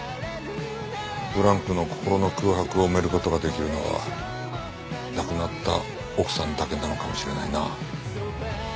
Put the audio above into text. ブランクの心の空白を埋める事ができるのは亡くなった奥さんだけなのかもしれないな。